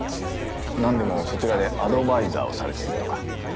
何でもそちらでアドバイザーをされているとか。